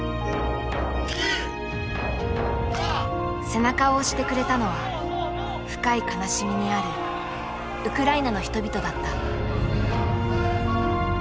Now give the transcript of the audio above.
背中を押してくれたのは深い悲しみにあるウクライナの人々だった。